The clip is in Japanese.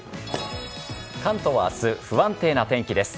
関東は明日不安定な天気です。